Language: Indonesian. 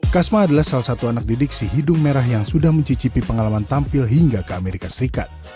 kasma adalah salah satu anak didik si hidung merah yang sudah mencicipi pengalaman tampil hingga ke amerika serikat